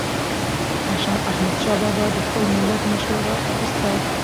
احمدشاه بابا به د خپل ملت مشوره اخیسته.